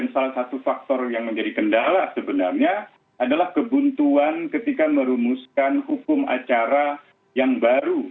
salah satu faktor yang menjadi kendala sebenarnya adalah kebuntuan ketika merumuskan hukum acara yang baru